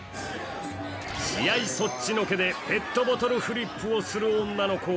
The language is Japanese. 試合そっちのけでペットボトルフリップをする女の子。